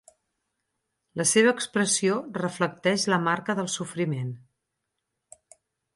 La seva expressió reflecteix la marca del sofriment.